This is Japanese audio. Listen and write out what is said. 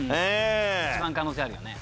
一番可能性あるよね。